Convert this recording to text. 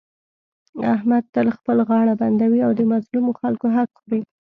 احمد تل خپله غاړه بندوي او د مظلومو خلکو حق خوري.